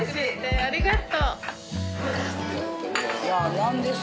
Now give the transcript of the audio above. ありがとう。